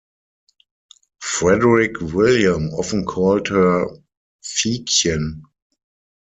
Frederick William often called her "Fiekchen".